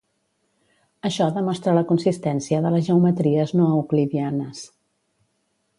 Això demostra la consistència de les geometries no euclidianes.